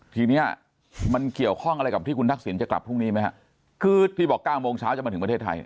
ทีเนี้ยมันเกี่ยวข้องอะไรกับที่คุณทักษิณจะกลับพรุ่งนี้ไหมฮะคือพี่บอกเก้าโมงเช้าจะมาถึงประเทศไทย